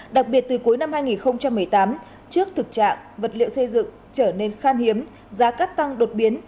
đặc biệt từ cuối năm hai nghìn một mươi tám trước thực trạng vật liệu xây dựng trở nên khan hiếm giá cắt tăng đột biến